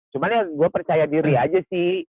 cuma ya gue percaya diri aja sih